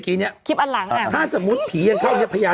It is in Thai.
พี่ตี๋ถามสินะผมจริงนะใช้๒ภาษา